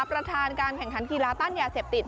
ประธานการแข่งขันกีฬาต้านยาเสพติด